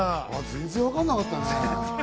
全然分かんなかったね。